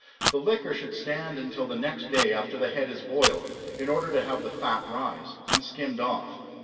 The liquor should stand until the next day after the head is boiled, in order to have the fat rise, and skimmed off.